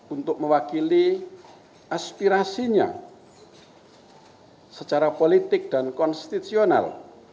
untuk mewakili aspirasinya secara politik dan konstitusional